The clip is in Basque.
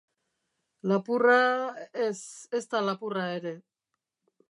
Lapurra... ez, ezta lapurra ere.